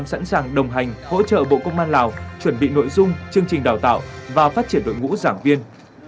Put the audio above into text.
sẵn sàng đồng hành hỗ trợ bộ công an lào chuẩn bị nội dung chương trình đào tạo và phát triển đội ngũ giảng viên